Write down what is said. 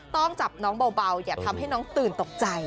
ต้องจับน้องเบาอย่าทำให้น้องตื่นตกใจ